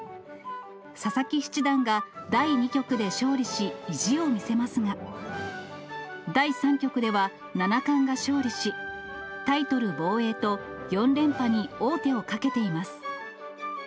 佐々木七段が第２局で勝利し、意地を見せますが、第３局では七冠が勝利し、タイトル防衛と４連覇に王手をかけています。